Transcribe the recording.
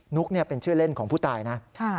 ุ๊กเป็นชื่อเล่นของผู้ตายนะ